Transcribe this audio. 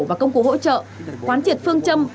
và công cụ hỗ trợ khoán triệt phương châm